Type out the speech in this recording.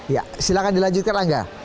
ya silahkan dilanjutkan angga